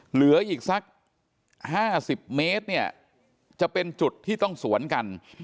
เหลืออีกสัก๕๐เมตรเนี่ยจะเป็นจุดที่ต้องสวนกัน